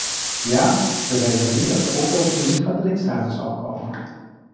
Ja, we weten nu dat de oplossing niet van de lidstaten zal komen.